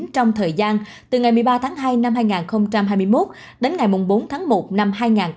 trong thời gian từ ngày một mươi ba tháng hai năm hai nghìn hai mươi một đến ngày bốn tháng một năm hai nghìn hai mươi bốn